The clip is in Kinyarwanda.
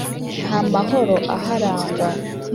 nta mahoro aharangwa